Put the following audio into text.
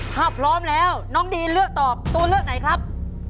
ถ้าพร้อมแล้วน้องดีนเลือกตอบตัวเลือกไหนครับ